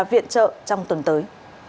viện trợ trong tuần tới